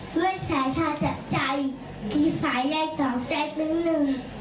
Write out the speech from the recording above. ด้วยสายทาจักรใจคิดสายใยสองใจหนึ่งหนึ่ง